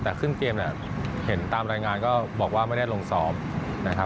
แต่ครึ่งเกมเนี่ยเห็นตามรายงานก็บอกว่าไม่ได้ลงซ้อมนะครับ